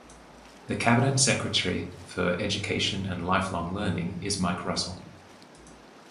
The Cabinet Secretary for Education and Lifelong Learning is Mike Russell.